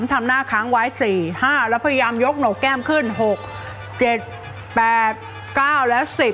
ทำหน้าค้างไว้๔๕แล้วพยายามยกหนกแก้มขึ้น๖๗๘๙และ๑๐